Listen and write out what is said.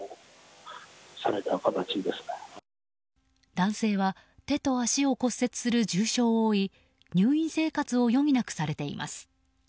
男性は手と足を骨折する重傷を負い入院生活を余儀なくされています。